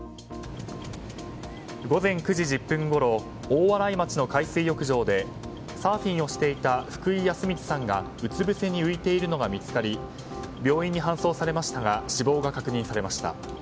午前９時１０分ごろ大洗町の海水浴場でサーフィンをしていた福井康光さんがうつ伏せに浮いているのが見つかり病院に搬送されましたが死亡が確認されました。